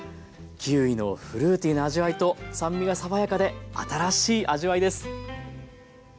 キウイのフルーティーな味わいと酸味が爽やかで新しい味わいです。